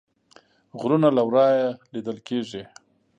غرونه له ورایه لیدل کیږي